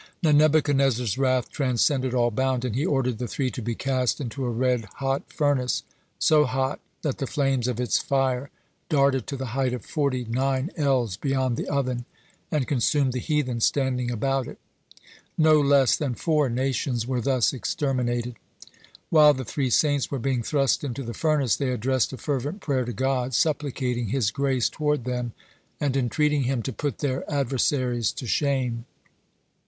(84) Now Nebuchadnezzar's wrath transcended all bound, and he ordered the three to be cast into a red hot furnace, so hot that the flames of its fire darted to the height of forty nine ells beyond the oven, and consumed the heathen standing about it. No less than four nations were thus exterminated. (85) While the three saints were being thrust into the furnace, they addressed a fervent prayer to God, supplicating His grace toward them, and entreating Him to put their adversaries to shame.